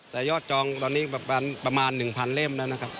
แต่ยอดจองตอนนี้ประมาณ๑๐๐เล่มแล้วนะครับ